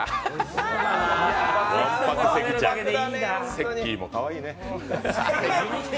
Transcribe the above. せっきーもかわいいね！